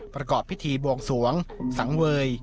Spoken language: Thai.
ประกอบพิธีบวงสวงสังเวย